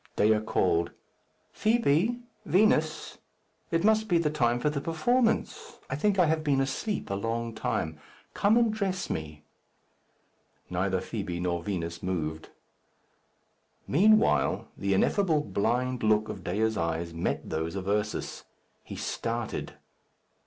Dea called, "Fibi! Vinos! It must be the time for the performance. I think I have been asleep a long time. Come and dress me." Neither Fibi nor Vinos moved. Meanwhile the ineffable blind look of Dea's eyes met those of Ursus. He started.